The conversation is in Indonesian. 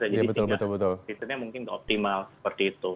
jadi sehingga fiturnya mungkin optimal seperti itu